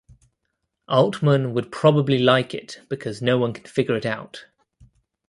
Altman would probably like it because no one can figure it out.